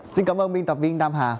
xin cảm ơn biên tập viên nam hà